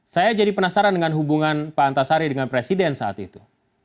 saya jadi penasaran dengan hubungan pak antasari dengan presiden saat itu